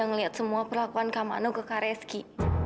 ngeliat semua perlakuan kak mano ke kak reski